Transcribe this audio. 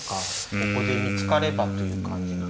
ここで見つかればという感じなんですね。